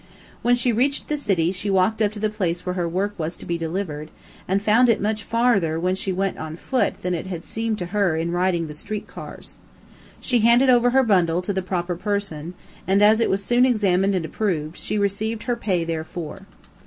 When she reached the city, she walked up to the place where her work was to be delivered, and found it much farther when she went on foot than it had seemed to her riding in the street cars. She handed over her bundle to the proper person, and, as it was soon examined and approved, she received her pay therefor.